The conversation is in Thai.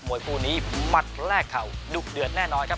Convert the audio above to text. วยคู่นี้มัดแลกเข่าดุเดือดแน่นอนครับ